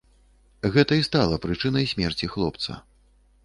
Гэта і стала прычынай смерці хлопца.